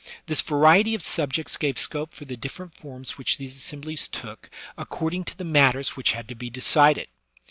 This variety of subjects gave scope for the different forms which these assemblies took according to the matters which had to be decided.